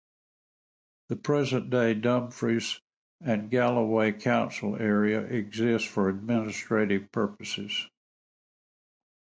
The present-day, "Dumfries and Galloway Council Area" exist for administrative purposes.